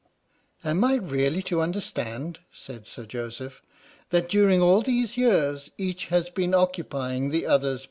"Am I really to understand," said Sir Joseph, "that during all these years, each has been occupy ing the other's position?"